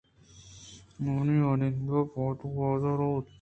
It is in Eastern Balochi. آئی ءِ واہُند ءَ آپدا بازار ءَ بُرت